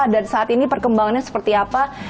dan saat ini perkembangannya seperti apa